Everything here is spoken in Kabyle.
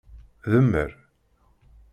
Demmer!